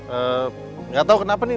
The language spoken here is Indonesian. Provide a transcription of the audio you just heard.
enggak tau kenapa nih